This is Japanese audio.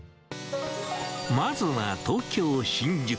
まずは東京・新宿。